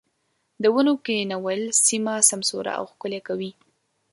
د ونو کښېنول سيمه سمسوره او ښکلې کوي.